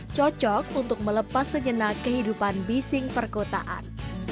cocok untuk melepas sejenak kehidupan bising perkotaan